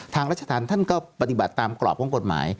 ทางราชฐานท่านก็ปฏิบัติ์ตามกรอบของกฎหมาย